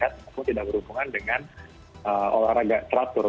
ataupun tidak berhubungan dengan olahraga teratur